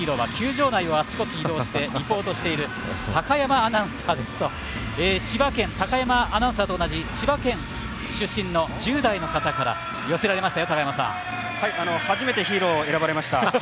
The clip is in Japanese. そして、今日のヒーローは球場内をあちこち移動してリポートしてる高山アナウンサーと千葉県、高山アナウンサーと同じ千葉県出身の１０代の方から寄せられました。